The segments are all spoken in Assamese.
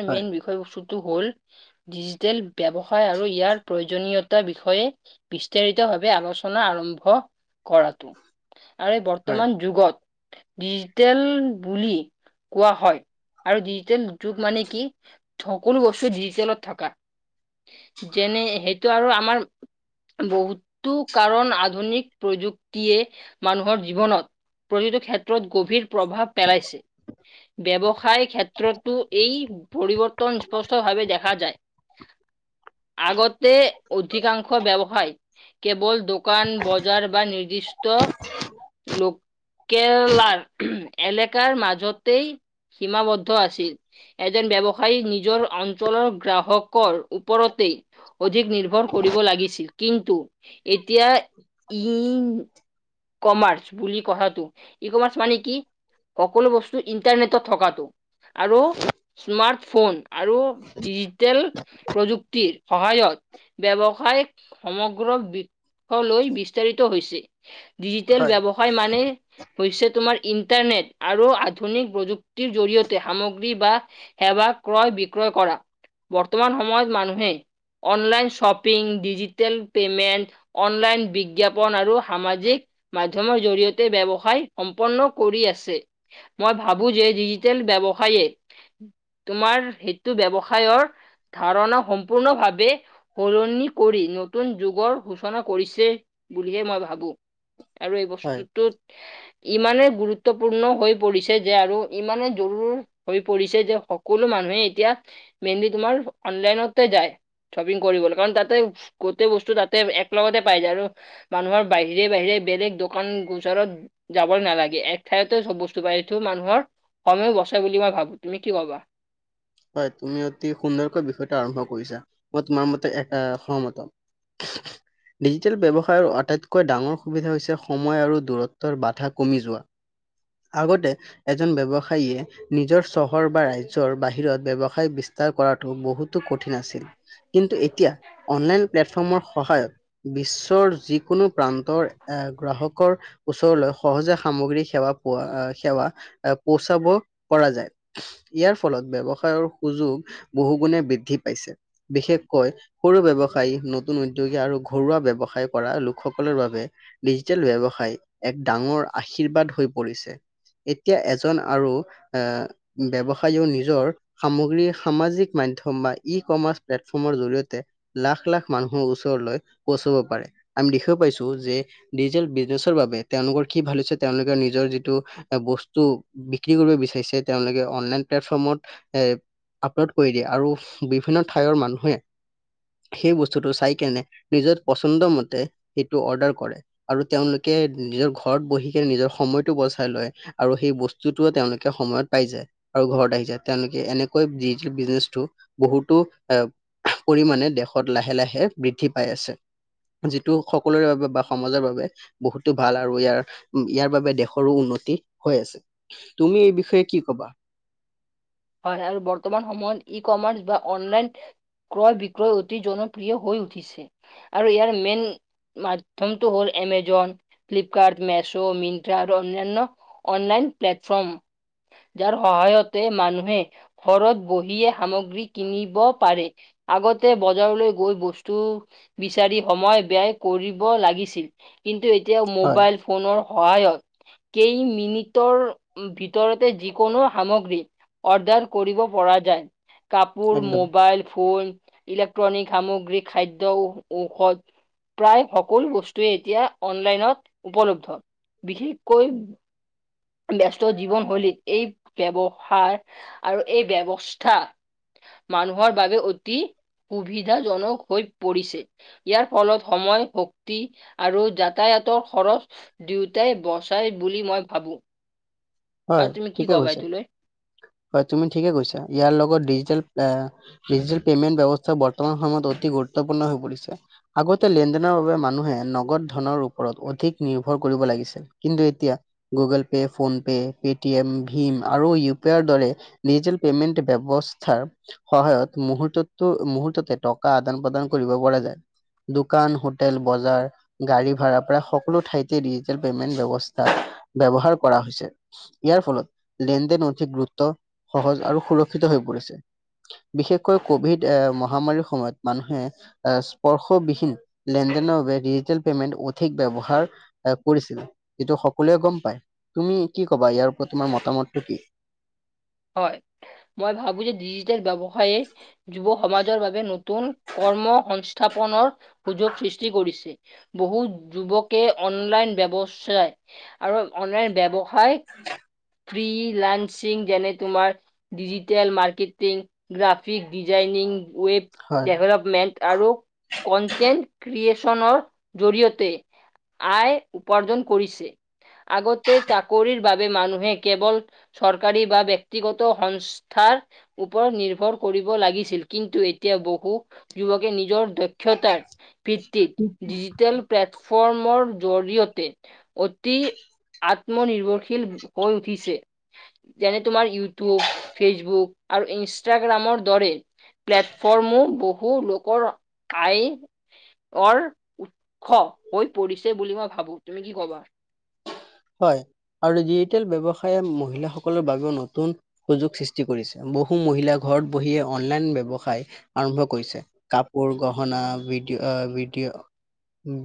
এ হয়, মেইন বিষয়বস্তুটো হ'ল ডিজিটেল ব্যৱসায় আৰু ইয়াৰ প্ৰয়োজনীয়তা বিষয়ে বিস্তাৰিতভাৱে আলোচনা আৰম্ভ কৰাটো। আৰু এই হয়, বৰ্তমান যুগত ডিজিটেল বুলি কোৱা হয় আৰু ডিজিটেল যুগ মানে কি সকলো বস্তু ডিজিটেলত থকা। যেনে সেইটো আৰু আমাৰ বহুতো কাৰণ আধুনিক প্ৰযুক্তিয়ে মানুহৰ জীৱনত প্ৰতিটো ক্ষেত্ৰত গভীৰ প্ৰভাৱ পেলাইছে। ব্যৱসায় ক্ষেত্ৰতো এই পৰিৱৰ্তন স্পষ্টভাৱে দেখা যায়। আগতে অধিকাংশ ব্যৱসায় কেৱল দোকান, বজাৰ বা নিৰ্দিষ্ট লোক কেৰেলাৰ, [unintelligible] এলেকাৰ মাজতেই সীমাবদ্ধ আছিল, এ যেন ব্যৱসায়ী নিজৰ অঞ্চলৰ গ্ৰাহকৰ ওপৰতেই অধিক নিৰ্ভৰ কৰিব লাগিছিল, কিন্তু এতিয়া ইন কমাৰ্চ, বুলি কথাটো ই কমাৰ্চ মানে কি? সকলো বস্তু ইণ্টাৰনেটত থকাটো, আৰু স্মাৰ্ট ফোন আৰু ডিজিটেল প্ৰযুক্তিৰ সহায়ত। ব্যৱসায় সমগ্ৰ বিষলৈ বিস্তাৰিত হৈছে। ডিজিটেল হয়, ব্যৱসায় মানে হৈছে তোমাৰ ইণ্টাৰনেট আৰু আধুনিক প্ৰযুক্তিৰ জৰিয়তে সামগ্ৰী বা সেৱা ক্ৰয় বিক্ৰয় কৰা। বৰ্তমান সময়ত মানুহে online shopping, digital payment. Online বিজ্ঞাপন আৰু সামাজিক মাধ্যমৰ জৰিয়তে ব্যৱসায় সম্পন্ন কৰি আছে। মই ভাবোঁ যে ডিজিটেল ব্যৱসায়ে তোমাৰ সেইটো ব্যৱসায়ৰ ধাৰণা সম্পূৰ্ণভাৱে সলনি কৰি নতুন যুগৰ সূচনা কৰিছে বুলিহে মই ভাবোঁ। আৰু এই হয়, বস্তুটোত ইমানেই গুৰুত্বপূৰ্ণ হৈ পৰিছে যে আৰু ইমানে জৰুৰ হৈ পৰিছে যে সকলো মানুহে এতিয়া মেইনলি তোমাৰ অনলাইনতে যায়। শ্বপিং কৰিবলৈ, কাৰণ তাতে গোটেই বস্তু তাতে একলগতে পাই যায়, আৰু মানুহৰ বাহিৰে, বাহিৰে বেলেগ দোকান গোচৰত যাব নালাগে এক ঠাইতে চব বস্তু পায়, এইটো মানুহৰ সময়ো বচে বুলি মই ভাবোঁ, তুমি কি ভাবা? হয়, তুমি অতি সুন্দৰকৈ বিষয়টো আৰম্ভ কৰিছা, মই তোমাৰ মতে এ সহমত। [inaudible] ডিজিটেল ব্যৱসায়ৰ আটাইতকৈ ডাঙৰ সুবিধা হৈছে সময় আৰু দূৰত্বৰ বাধা কমি যোৱা। আগতে এজন ব্যৱসায়ীয়ে নিজৰ চহৰ বা ৰাজ্যৰ বাহিৰত। ব্যৱসায় বিস্তাৰ কৰাটো বহুতো কঠিন আছিল। কিন্তু এতিয়া অনলাইন প্লেটফৰ্মৰ সহায়ত। বিশ্বৰ যিকোনো প্ৰান্তৰ এ গ্ৰাহকৰ। ওচৰলৈ সহজে সামগ্ৰী সেৱা পোৱা সেৱা পোচাব পৰা যায়, ইয়াৰ ফলত ব্যৱসায় সুযোগ বহু গুণে বৃদ্ধি পাইছে, বিশেষকৈ সৰু ব্যৱসায়ী নতুন উদ্যোগী আৰু ঘৰুৱা ব্যৱসায় কৰা লোকসকলৰ বাবে ডিজিটেল ব্যৱসায় এক ডাঙৰ আশীৰ্বাদ হৈ পৰিছে। এতিয়া এজন আৰু এ ব্যৱসায়ীয়েও নিজৰ সামগ্ৰী সামাজিক মাধ্যম বা ই কমাৰ্চ প্লেটফৰ্মৰ জৰিয়তে লাখ, লাখ মানুহৰ ওচৰলৈ পৌচাব পাৰে, আমি দেখিব পাইছোঁ যে ডিজিটেল বিজনেচৰ বাবে তেওঁলোকৰ কি ভাল হৈছে তেওঁলোকে নিজৰ যিটো বস্তু বিক্ৰী কৰিব বিচাৰিছে, তেওঁলোকে অনলাইন প্লেটফৰ্মত এ আপলোড কৰি দিয়ে আৰু বিভিন্ন ঠাইৰ মানুহে সেই বস্তুটো চাই কেনে নিজৰ পচন্দ মতে সেইটো অৰ্ডাৰ কৰে। আৰু তেওঁলোকে নিজৰ ঘৰত বহি কিনে নিজৰ সময়টো বচাই লয়। আৰু সেই বস্তুটো তেওঁলোকে সময়ত পাই যায় আৰু ঘৰত আহি যায়। তেওঁলোকে এনেকৈ যি বিজনেচটো বহুতো এ পৰিমাণে দেশত লাহে, লাহে বৃদ্ধি পাই আছে। যিটো সকলোৰে বাবে বা সমাজৰ বাবে। বহুতো ভাল আৰু ইয়াৰ, ইয়াৰ বাবে দেশৰো উন্নতি হৈ আছে। তুমি এই বিষয়ে কি ক'বা? হয়, হয় আৰু বৰ্তমান সময়ত ই কমাৰ্চ বা অনলাইন ক্ৰয় বিক্ৰয় অতি জনপ্ৰিয় হৈ উঠিছে, আৰু ইয়াৰ মেইন মাধ্যমটো হ'ল এমেজন। ফ্লিপকাৰ্ট, মেছো, মিন্ট্ৰা আৰু অনান্য অনলাইন প্লেটফৰ্ম। যাৰ সহায়তে মানুহে ঘৰত বহিয়ে সামগ্ৰী কিনিব পাৰে। আগতে বজাৰলৈ গৈ বস্তু বিচাৰি সময় ব্যায় কৰিব লাগিছিল, কিন্তু এতিয়া হয় মোবাইল ফোনৰ সহায়ত কেইমিনিটৰ ভিতৰতে যিকোনো সামগ্ৰী অৰ্ডাৰ কৰিব পৰা যায়, কাপোৰ, একদম মোবাইল ফোন। ইলেক্ট্ৰনিক সামগ্ৰী, খাদ্য, ঔ-ঔষধ। প্ৰায় সকলো বস্তুৱে এতিয়া অনলাইনত উপলব্ধ, বিশেষকৈ ব্যস্ত জীৱনশৈলীত এই ব্যৱহাৰ আৰু এই ব্যৱস্থা মানুহৰ বাবে অতি সুবিধাজনক হৈ পৰিছে। ইয়াৰ ফলত সময়, শক্তি আৰু যাতায়াতৰ খৰচ দুয়োটাই বচায় বুলি মই ভাবোঁ। হয়, ঠিকে কৈছা হয় তুমি ঠিকেই কৈছা ইয়াৰ লগত ডিজিটেল প্ৰে ডিজিটেল পেমেণ্ট ব্যৱস্থা বৰ্তমান সময়ত অতি গুৰুত্বপূৰ্ণ হৈ পৰিছে। আগতে লেনদেনৰ বাবে মানুহে নগদ ধনৰ ওপৰত অধিক নিৰ্ভৰ কৰিব লাগিছিল। কিন্তু এতিয়া Google Pay, phone pay. Paytm ভীম আৰু ইউ পি আইৰ দৰে ডিজিটেল পেমেণ্ট ব্যৱস্থাৰ সহায়ত মুহুৰ্ততো মুহুৰ্ততে টকা আদান প্ৰদান কৰিব পৰা যায়। দোকান, হোটেল, বজাৰ। গাড়ী ভাড়াৰ প্ৰায় সকলো ঠাইতে ডিজিটেল পেমেন্ট ব্যৱস্থা ব্যৱহাৰ কৰা হৈছে। ইয়াৰ ফলত লেনদেন অধিক গুৰুত্ব, সহজ আৰু সুৰক্ষিত হৈ পৰিছে। বিশেষকৈ কভিড এ মহামাৰীৰ সময়ত মানুহে অ', স্পৰ্শবিহীন লেনদেনৰ বাবে ডিজিটেল পেমেণ্ট অধিক ব্যৱহাৰ এ কৰিছিল যিটো সকলোৱে গম পায়, তুমি কি ক'বা ইয়াৰ ওপৰত তোমাৰ মতামতটো কি? হয়, মই ভাবোঁ যে, ডিজিটেল ব্যৱসায়ে যুৱ সমাজৰ বাবে নতুন কৰ্ম সংস্থাপনৰ সুযোগ সৃষ্টি কৰিছে। বহুত যুৱকে অনলাইন ব্যৱসায় আৰু অনলাইন ব্যৱ সায় ফ্ৰী লাঞ্চিং [unintelligible] তোমাৰ digital marketing, graphic designing. Web হয়, ডেভেলপমেণ্ট। আৰু কনটেণ্ট ক্ৰিয়েচনৰ জৰিয়তে আয় উপাৰ্জন কৰিছে। আগতে চাকৰিৰ বাবে মানুহে কেৱল চৰকাৰী বা ব্য ব্যক্তিগত সংস্থাৰ ওপৰত নিৰ্ভৰ কৰিব লাগিছিল কিন্তু এতিয়া বহু যুৱকে নিজৰ দক্ষতাৰ পি তি ডিজিটেল প্লেটফৰ্মৰ জৰিয়তে অতি আত আত্মনিৰ্ভৰশীল হৈ উঠিছে যেনে তোমাৰ ইউটিউব, ফেচবুক আৰু ইনষ্টাগ্ৰামৰ দৰে প্লেটফৰ্মো বহু লোকৰ আই অৰ উৎস হৈ পৰিছে বুলি মই ভাবোঁ, তুমি কি ক'বা? হয়, আৰু ডিজিটেল ব্যৱসায়ে মহিলাসকলৰ বাবেও নতুন সুযোগ সৃষ্টি কৰিছে, বহু মহিলা ঘৰত বহিয়ে অনলাইন ব্যৱসায় আৰম্ভ কৰিছে কাপোৰ, গহনা ভিডিঅ' অ', ভিডিঅ' উম,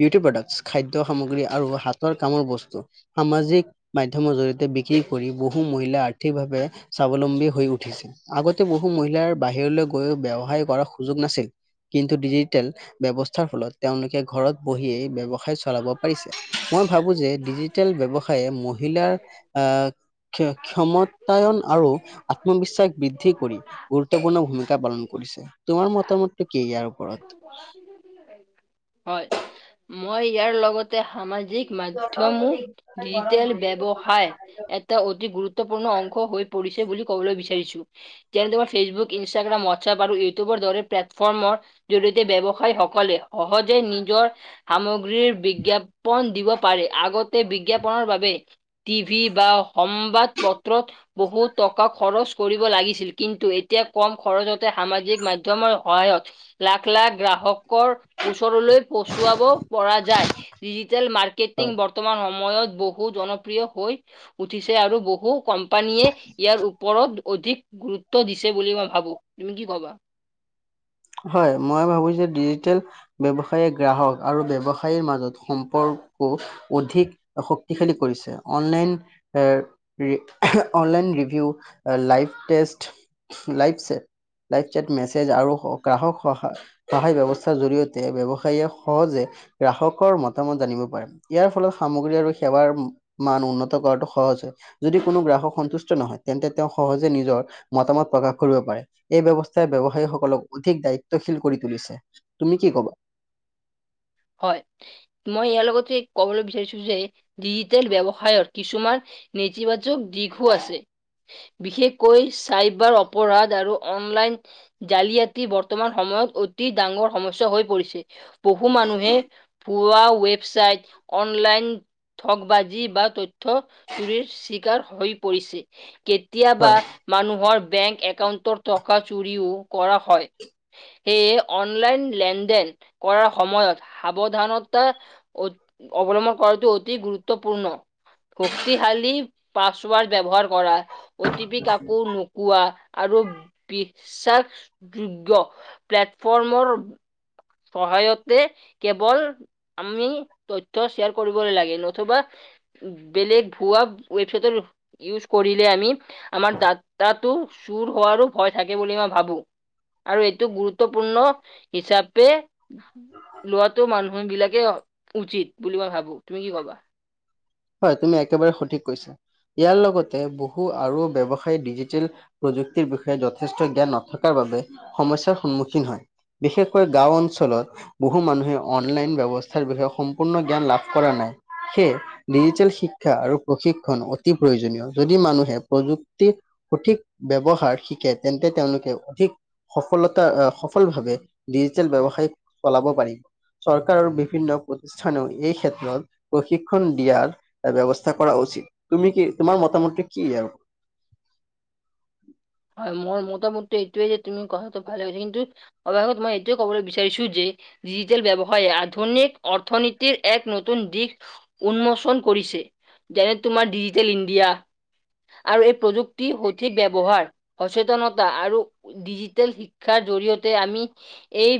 বিউটী প্ৰডাকটছ, খাদ্য সামগ্ৰী আৰু হাতৰ কামৰ বস্তু সামাজিক মাধ্যমৰ জৰিয়তে বিক্ৰী কৰি বহু মহিলা আৰ্থিকভাৱে স্বাৱলম্বী হৈ উঠিছিল। আগতে বহু মহিলাৰ বাহিৰলৈ গৈ ব্যৱসায় কৰাৰ সুযোগ নাছিল। কিন্তু ডিজিটেল ব্যৱস্থাৰ ফলত তেওঁলোকে ঘৰত বহিয়েই বব্যৱসায় চলাব পাৰিছে। মই ভাবোঁ যে ডিজিটেল ব্যৱসায়ে মহিলাৰ আহ ক ক্ষমতায়ন আৰু আত্মবিশ্বাস বৃদ্ধি কৰি গুৰুত্বপূৰ্ণ ভূমিকা পালন কৰিছে, তোমাৰ মতামতটো কি ইয়াৰ ওপৰত। হয়, মই ইয়াৰ লগতে সামাজিক মাধ্যমো ডিজিটেল বব্যৱসায় এটা অতি গুৰুত্বপূৰ্ণ অংশ হৈ পৰিছে বুলি কবলৈ বিচাৰিছোঁ। যেনে তোমাৰ ফেচবুক ইনষ্টাগ্ৰাম হোৱাটছআপ আৰু ইউটিউব দৰে প্লেটফৰ্মৰ জৰিয়তে ব্যৱসায়ী সকলে সহজে নিজৰ সামগ বিজ্ঞাপন দিব পাৰে, আগতে বিজ্ঞাপনৰ বাবে টিভি বা সংবাদ পত্ৰত বহুত টকা খৰচ কৰিব লাগিছিল, কিন্তু এতিয়া কম খৰচতে সামাজিক মাধ্যমৰ সহায়ত লাখ, লাখ গ্ৰাহকৰ ওচৰলৈ চুৱাব পৰা যায় ডিজিটেল মাৰ্কেটিং বৰ্তমান সময়ত বহু জনপ্ৰিয় হৈ উঠিছে আৰু বহু কোম্পানীয়ে ইয়াৰ ওপৰত অধিক গুৰুত্ব দিছে বুলি মই ভাবোঁ, তুমি কি কবা? হয়, মই ভাবোঁ যে ডিজিটেল [unintelligible] ব্যৱসায়ে গ্ৰাহক আৰু ব্যৱসায়ৰ মাজত সম্পৰ্ক অধিক শক্তিশালী কৰিছে online online review live test live chat live chat message আৰু গ্ৰাহক সহায় সহায় ব্যৱস্থাৰ জৰি়য়তে ব্যৱসায়ীয়ে সহজে গ্ৰাহকৰ মতামত জানিব পাৰে। ইয়াৰ ফলত সামগ্ৰী আৰু সেৱাৰ মান উন্নত কৰাটো সহজ হয়। যদি কোনো গ্ৰাহক সন্তুষ্ট নহয়, তেন্তে তেওঁ সহজে নিজৰ মতামত প্ৰকাশ কৰিব পাৰে। এই ব্যৱস্থাই ব্যৱসায়ী সকলক অধিক দায়িত্বশীল কৰি তুলিছে তুমি কি কবা। হয়। মই ইয়াৰ লগতে ক'বলৈ বিচাৰিছোঁ যে ডিজিটেল ব্যৱসায়ৰ কিছুমান নেতিবাদ দিঘো আছে বিশেষকৈ চাইবাৰ অপৰাধ আৰু অনলাইন জালিয়াতি বৰ্তমান সময়ত অতি ডাঙৰ সমস্যা হৈ পৰিছে বহু মানুহ ভুৱা ৱেবছাইট অনলাইন ঠগবাজি বা তথ্য ধুৰিৰ চিকাৰ হৈ পৰিছে হয়। কেতিয়াবা মানুহৰ বেংক একাউণ্টৰ টকা চুৰিও কৰা হয়। সেয়ে অনলাইন লেনদেন কৰাৰ সময়ত সাৱধানতা অৱলম্বন কৰাটো অতি গুৰুত্বপূৰ্ণ। শক্তিশালী পাছৱাৰ্ড বব্যৱহাৰ কৰা অ টি পি কাকো নোকো কোৱা আৰু বিশ্বাসযোগ্য প্লেটফৰ্মৰ সহায়তে কেৱল আমি তথ্য শ্বেয়াৰ কৰিবলৈ লাগে নথবা বেলেগ ভুৱা ৱেবচাইটৰ ইউজ কৰিলে আমি আমাৰ ডাটাটো চুৰ হোৱাৰো ভয় থাকে বুলি মই ভাবোঁ। আৰু এইটো গুৰুত্বপূৰ্ণ হিচা পে লোৱাটো মানুহ বিলাকে উচিত বুলি মই ভাবো। তুমি কি কবা? হয় তুমি একেবাৰে সঠিক কৈছা ইয়াৰ লগতে বহু আৰু ব্যৱসায় ডিজিটেল প্ৰযুক্তিৰ বিষয়ে যথেষ্ট জ্ঞান নথকাৰ বাবে সমস্যাৰ সন্মুখীন হয়। বিশেষকৈ গাঁও অঞ্চলত বহু মানুহে অনলাইন ব্যৱস্থাৰ বিষয়ে সম্পূৰ্ণ জ্ঞান লাভ কৰা নাই, সেয়ে ডিজিটেল শিক্ষা আৰু প্ৰশিক্ষণ অতি প্ৰয়োজনীয়। যদি মানুহে প্ৰযুক্তি সঠিক ব্যৱহাৰ শিকে, তেন্তে তেওঁলোকে অধিক সফলতা সফল ভাৱে ডিজিটেল ব্যৱসায় চলাব পাৰিব। চৰকাৰৰ বিভিন্ন প্ৰতিষ্ঠানত এই ক্ষেত্ৰত প্ৰশিক্ষণ দিয়াৰ ব্যৱস্থা কৰা উচিত। তুমি কি তোমাৰ মতা মতটো কি ইয়াৰ ওপৰত? হয়, মোৰ মতামত এইটোয়ে যে তুমি কথাটো ভালে কৈছা, কিন্তু অৱশেষত মই এইটোয়ে ক'বলৈ বিচাৰিছো যে ডিজিটেল ব্যৱসায় আধুনিক অৰ্থনীতিৰ এক নতুন দিশ উন্মোচন কৰিছে। যেনে তোমাৰ ডিজিটেল ইণ্ডিয়া। আৰু এই প্ৰযুক্তিৰ সঠিক ব্যৱহাৰ আৰু ডিজিটেল শিক্ষাৰ জৰিয়তে আমি এই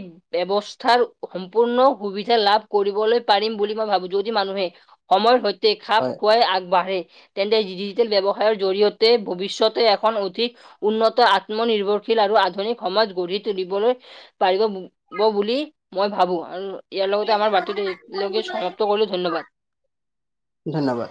বৱস্থাৰ সম্পূৰ্ণ সুবিধা লাভ কৰিবলৈ পাৰিম বুলি মই ভাবো যদি মানুহে সময়ৰ সৈতে খাপ হয় খুৱাই আগবাঢ়ে। তেন্তে ডিজিটেল ব্যৱসায়ৰ জৰিয়তে ভৱিষ্যতে এখন অধিক উন্নত আত্মনিৰ্ভৰশীল আৰু আধুনিক সমাজ গঢ়ি তুলিবলৈ পাৰিব বুলি মই ভাবো, আৰু ইয়াৰ লগতে আৰ বাৰ্তীটো ল'গে সমাপ্ত কৰিলো ধন্যবাদ। ধন্যবাদ।